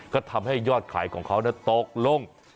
ก็ทำให้ยอดขายของเขาตกลง